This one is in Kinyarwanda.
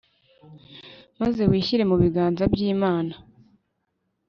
maze wishyire mu biganza byImana